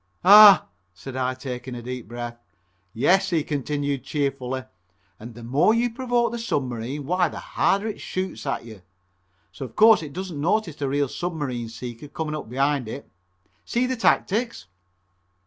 "Ah!" said I, taking a deep breath. "Yes," he continues cheerfully, "and the more you provoked the submarine why the harder it shoots at you, so of course it doesn't notice the real Submarine Sinker coming up behind it. See the tactics."